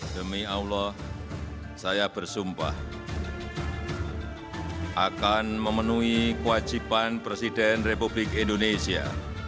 demi allah saya bersumpah akan memenuhi kewajiban presiden republik indonesia